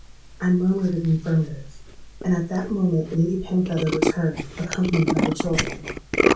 '—I murmured an affirmative; and at that moment Lady Penfeather returned, accompanied by the children.